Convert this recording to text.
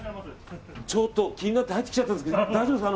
気になって入ってきちゃったんですけど大丈夫ですか。